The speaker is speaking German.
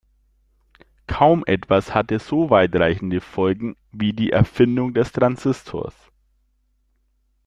Kaum etwas hatte so weitreichende Folgen wie die Erfindung des Transistors.